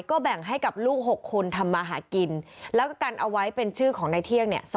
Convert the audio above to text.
ก็แบ่งให้กับลูก๖คนทำมาหากินแล้วก็กันเอาไว้เป็นชื่อของในเที่ยงเนี่ย